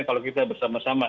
kalau kita bersama sama